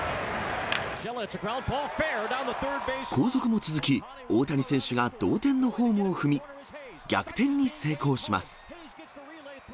後続も続き、大谷選手が同点のホームを踏み、逆転に成功します。